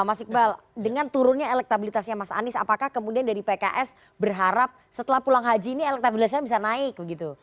mas iqbal dengan turunnya elektabilitasnya mas anies apakah kemudian dari pks berharap setelah pulang haji ini elektabilitasnya bisa naik begitu